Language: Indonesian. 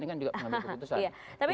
ini kan juga pengambil keputusan